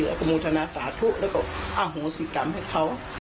แล้วก็มูธนาสาธุแล้วก็อาหงศรีกรรมให้เขา